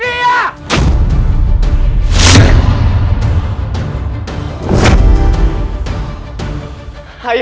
bukan salah saya